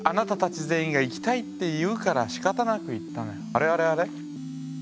あれあれあれ？